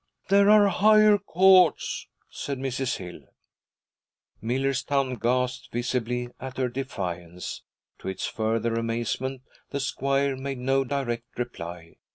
'There are higher courts,' said Mrs. Hill. Millerstown gasped visibly at her defiance. To its further amazement, the squire made no direct reply.